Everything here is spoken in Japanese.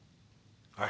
はい。